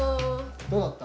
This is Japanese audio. どうだった？